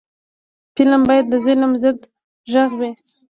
فلم باید د ظلم ضد غږ وي